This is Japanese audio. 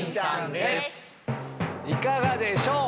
いかがでしょう？